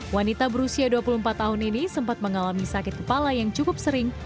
wanita berusia dua puluh empat tahun ini sempat mengalami sakit kepala yang cukup sering